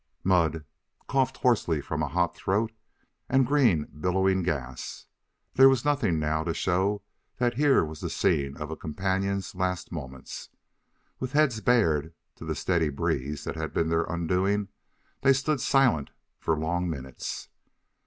Mud, coughed hoarsely from a hot throat, and green, billowing gas! there was nothing now to show that here was the scene of a companion's last moments. With heads bared to the steady breeze that had been their undoing, they stood silent for long minutes.